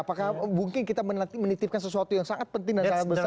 apakah mungkin kita menitipkan sesuatu yang sangat penting dan sangat besar